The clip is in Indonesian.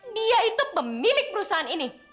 dia itu pemilik perusahaan ini